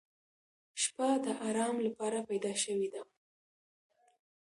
• شپه د آرام لپاره پیدا شوې ده.